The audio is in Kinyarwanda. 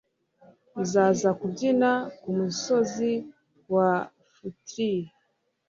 uzaza kubyina kumusozi wa phuthile